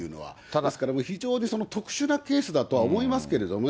ですから非常に特殊なケースだとは思いますけどね。